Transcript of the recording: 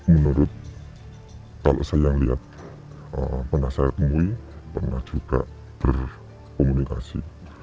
menurut kalau saya yang lihat pernah saya temui pernah juga berkomunikasi